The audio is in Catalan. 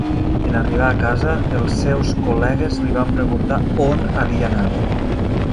En arribar a casa, els seus col·legues li van preguntar on havia anat.